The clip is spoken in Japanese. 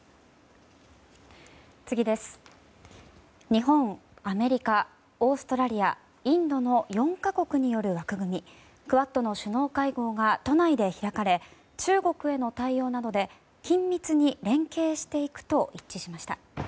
日本、アメリカ、オーストラリアインドの４か国による枠組みクアッドの首脳会合が都内で開かれ中国への対応などで緊密に連携していくと一致しました。